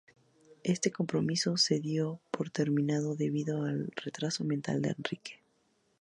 Este compromiso se dio por terminado debido al retraso mental de Enrique.